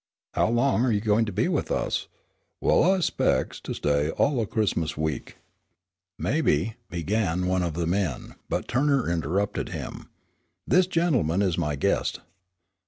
"How long are you going to be with us?" "Well, I 'specs to stay all o' Crismus week." "Maybe " began one of the men. But Turner interrupted him. "This gentleman is my guest.